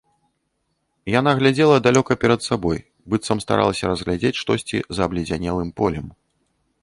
Яна глядзела далёка перад сабой, быццам старалася разгледзець штосьці за абледзянелым полем.